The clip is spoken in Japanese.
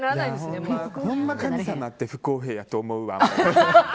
ほんま神様って不公平やと思うわ。